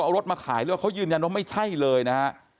เอารถมาขายหรือว่าเขายืนยันว่าไม่ใช่เลยนะฮะ